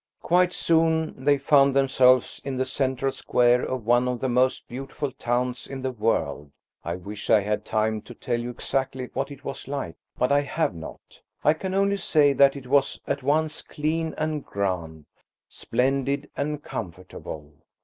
Quite soon they found themselves in the central square of one of the most beautiful towns in the world. I wish I had time to tell you exactly what it was like, but I have not. I can only say that it was at once clean and grand, splendid and comfortable.